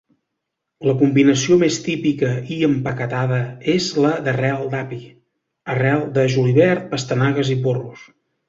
La combinació més típica i empaquetada és la d'arrel d'api, arrel de julivert, pastanagues i porros.